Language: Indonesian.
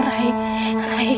tidak aku tidak pernah membencimu